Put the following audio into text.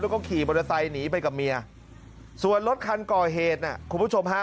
แล้วก็ขี่บริษัทหนีไปกับเมียส่วนรถคันก่อเหตุคุณผู้ชมฮะ